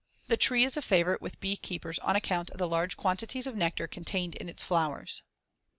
The tree is a favorite with bee keepers on account of the large quantities of nectar contained in its flowers.